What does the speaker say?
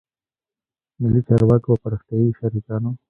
ملي چارواکو او پراختیایي شریکانو